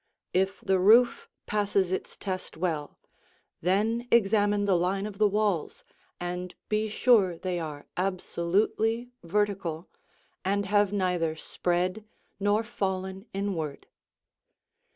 If the roof passes its test well, then examine the line of the walls and be sure they are absolutely vertical and have neither spread nor fallen inward.